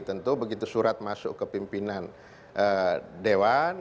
tentu begitu surat masuk ke pimpinan dewan